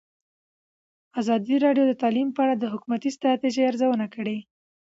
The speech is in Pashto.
ازادي راډیو د تعلیم په اړه د حکومتي ستراتیژۍ ارزونه کړې.